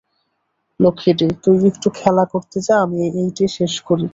লক্ষ্মীটি, তুই একটু খেলা করতে যা, আমি এইটে শেষ করি।